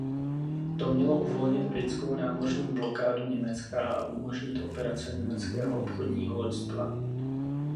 To mělo uvolnit britskou námořní blokádu Německa a umožnit operace německého obchodního loďstva.